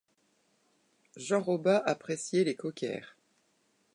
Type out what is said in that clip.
Jean Roba appréciait les cockers.